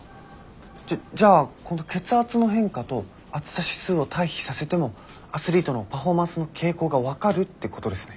じゃあこの血圧の変化と暑さ指数を対比させてもアスリートのパフォーマンスの傾向が分かるってことですね？